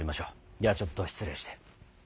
ではちょっと失礼して。